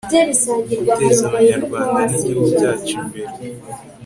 guteza abanyarwanda n'igihugu cyacu imbere